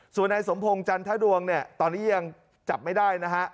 ส่วนนายสมพงศ์จันทดวงเนี่ยตอนนี้ยังจับไม่ได้นะฮะ